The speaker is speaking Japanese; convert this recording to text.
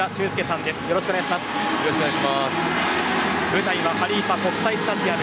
舞台はハリーファ国際スタジアム。